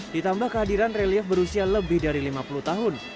ditambah kehadiran relief berusia lebih dari lima puluh tahun